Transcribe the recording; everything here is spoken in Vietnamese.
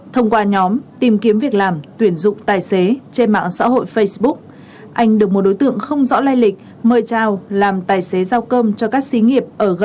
thông qua nhóm tìm kiếm việc làm tuyển dụng tài xế trên mạng xã hội facebook anh được một đối tượng không rõ lai lịch mời trao làm tài xế giao cơm cho các xí nghiệp ở gần